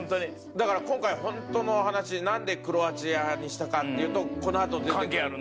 だから今回ホントの話何でクロアチアにしたかっていうとこの後出て来る。